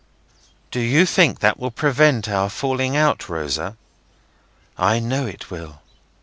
"Do you think that will prevent our falling out, Rosa?" "I know it will.